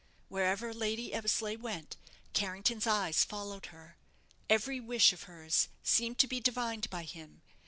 Wherever Lady Eversleigh went, Carrington's eyes followed her; every wish of hers seemed to be divined by him.